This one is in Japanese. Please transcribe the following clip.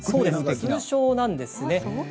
通称なんですね。